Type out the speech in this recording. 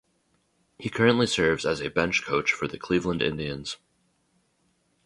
He currently serves as a bench coach for the Cleveland Indians.